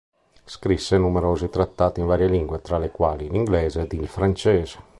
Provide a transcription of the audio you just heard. Scrisse numerosi trattati in varie lingue, tra le quali l'inglese ed il francese.